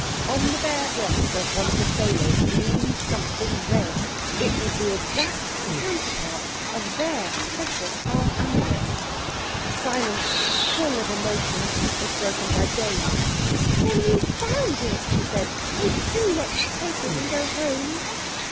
On the bare breast of one of the sailors gleamed something red. It was the exact counterpart of their precious half Amulet. A silence, full of emotion, was broken by Jane. "Then we've found it!" she said. "Oh do let's take it and go home!"